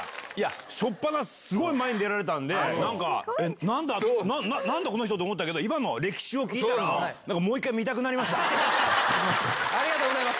しょっぱな、すごい前に出られたんで、なんか、なんだろう、なんだこの人ってなったけど、今の歴史を聞いたら、なんかもうありがとうございます。